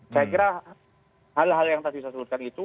saya kira hal hal yang tadi saya sebutkan itu